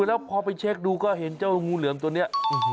แล้วพอไปเช็คดูก็เห็นเจ้างูเหลือมตัวนี้